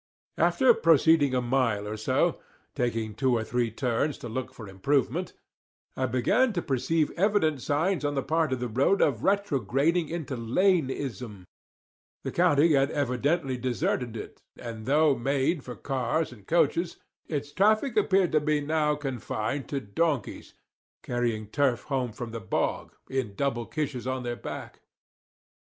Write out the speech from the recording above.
After proceeding a mile or so, taking two or three turns to look for improvement, I began to perceive evident signs on the part of the road of retrograding into lane ism; the county had evidently deserted it, and though made for cars and coaches, its traffic appeared to be now confined to donkeys carrying turf home from the bog, in double kishes on their back.